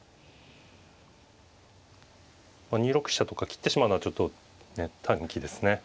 ２六飛車とか切ってしまうのはちょっと短気ですね。